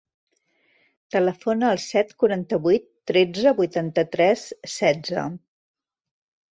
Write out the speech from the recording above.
Telefona al set, quaranta-vuit, tretze, vuitanta-tres, setze.